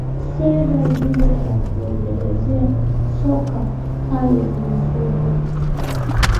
fedha zile za kuendeleza soka pale zimefujwa